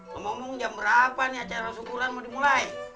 ngomong ngomong jam berapa nih acara syukuran mau dimulai